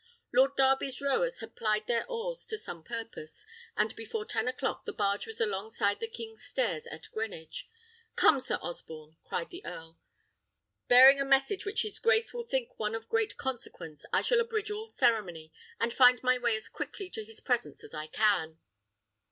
Lord Darby's rowers had plied their oars to some purpose, and before ten o'clock the barge was alongside the king's stairs at Greenwich. "Come, Sir Osborne," cried the earl; "bearing a message which his grace will think one of great consequence, I shall abridge all ceremony, and find my way as quickly to his presence as I can."